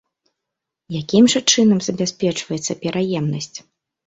Якім жа чынам забяспечваецца пераемнасць?